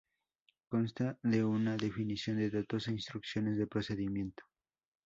Constan de una definición de datos, e instrucciones de procedimiento.